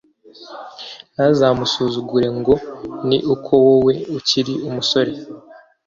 ntuzamusuzugure, ngo ni uko wowe ukiri umusore